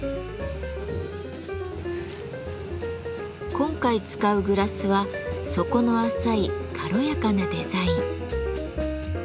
今回使うグラスは底の浅い軽やかなデザイン。